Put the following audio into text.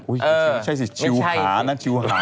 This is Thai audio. อุ๊ยไม่ใช่สิชิวหาน่ะชิวหา